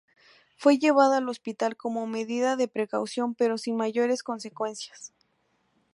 Fue llevada al hospital como medida de precaución pero sin mayores consecuencias.